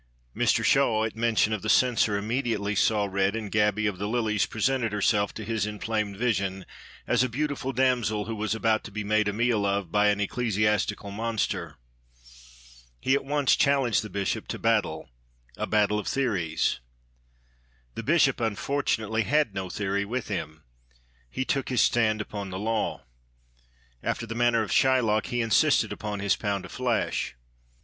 Mr Shaw, at mention of the Censor, immediately saw red, and Gaby of the Lilies presented herself to his inflamed vision as a beautiful damsel who was about to be made a meal of by an ecclesiastical monster. He at once challenged the Bishop to battle a battle of theories. The Bishop unfortunately had no theory with him. He took his stand upon the law. After the manner of Shylock, he insisted upon his pound of flesh.